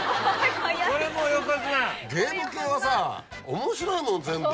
ゲーム系はさ面白いもの全部。